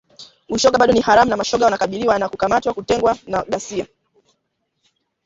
Ushoga bado ni haramu na mashoga wanakabiliwa na kukamatwa, kutengwa na ghasia